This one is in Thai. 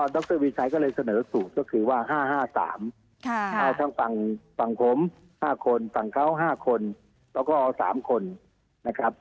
ดรวิรชัยก็เลยเสนอสูตรก็คือว่า๕๕๓ทั้งฝั่งผม๕คนฝั่งเขา๕คนแล้วก็๓คน